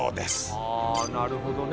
はあなるほどね。